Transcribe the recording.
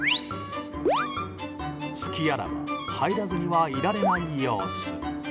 隙あらば入らずにはいられない様子。